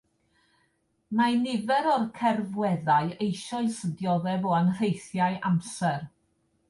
Mae nifer o'r cerfweddau eisoes yn dioddef o anrheithiau amser.